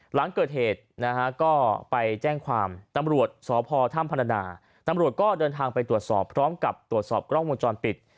หลังเกิดเหตุนะฮะก็ไปแจ้งความตำรวจสพถ้ำพนาตำรวจก็เดินทางไปตรวจสอบพร้อมกับตรวจสอบกล้องวงจรปิด